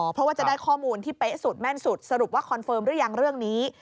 เพราะว่าจะได้ข้อมูลที่เป๊ะสุดแม่นสุดสรุปว่าคอนเฟิร์มหรือยังเรื่องนี้